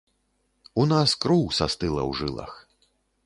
У нас кроў састыла ў жылах.